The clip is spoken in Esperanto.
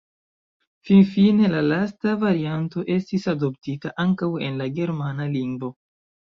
Finfine la lasta varianto estis adoptita ankaŭ en la germana lingvo.